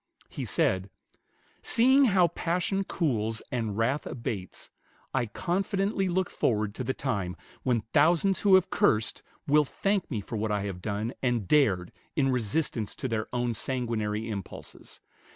He said, "Seeing how passion cools and wrath abates, I confidently look forward to the time when thousands who have cursed will thank me for what I have done and dared in resistance to their own sanguinary impulses....